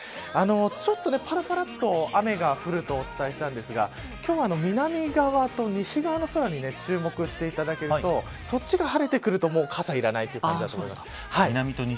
ちょっとぱらぱらっと雨が降るとお伝えしたんですが今日は南側と西側の空に注目していただけるとそっちが晴れてくると傘はいらないと思います。